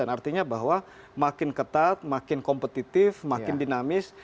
artinya bahwa makin ketat makin kompetitif makin dinamis